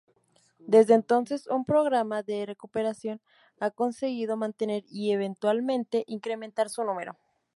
Desde entonces un programa de recuperación ha conseguido mantener y eventualmente incrementar su número.